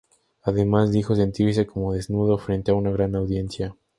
Además, dijo sentirse como "desnudo frente a una gran audiencia".